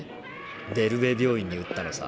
デルヴェ病院に売ったのさ。